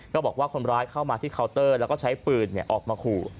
บอกว่าคนร้ายเข้ามาที่เคาน์เตอร์แล้วก็ใช้ปืนออกมาขู่